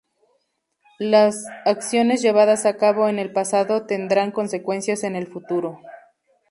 Las acciones llevadas a cabo en el pasado tendrán consecuencias en el futuro.